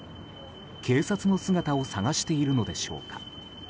警察の姿を探しているのでしょうか。